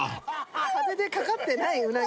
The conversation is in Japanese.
風で掛かってないうなぎに。